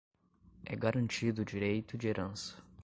é garantido o direito de herança;